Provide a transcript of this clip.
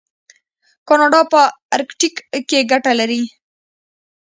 کاناډا په ارکټیک کې ګټې لري.